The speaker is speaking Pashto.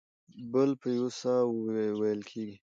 بل په یو ساه وېل کېږي.